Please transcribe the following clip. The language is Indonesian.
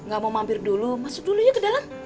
gak mau mampir dulu masuk dulu ya ke dalam